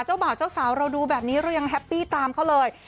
บ่าวเจ้าสาวเราดูแบบนี้เรายังแฮปปี้ตามเขาเลย